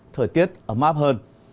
thời tiết ấm áp hơn